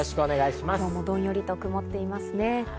今日もどんよりと曇っていますね。